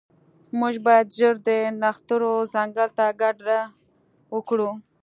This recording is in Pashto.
موږ باید ژر د نښترو ځنګل ته کډه وکړو